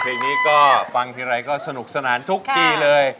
เพลงนี้ก็ฟังทีไรก็สนุกสนานทุกทีเลย